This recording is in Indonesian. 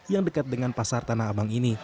yang dekat dengan pasar tanah abang ini